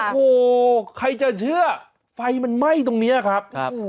ไปเผ้นไหม้ตรงนี้ครับ